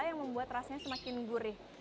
yang membuat rasanya semakin gurih